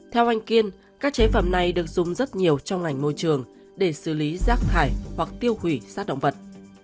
theo anh kiên các chế phẩm này được dùng rất nhiều trong ngành môi trường để xử lý rác thải hoặc tiêu hủy sát động vật